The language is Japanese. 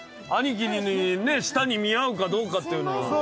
兄貴にね舌に見合うかどうかっていうのは。